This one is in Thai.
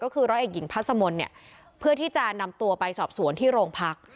ก็คือร้อยเอกหญิงพัสมนต์เนี่ยเพื่อที่จะนำตัวไปสอบสวนที่โรงพัก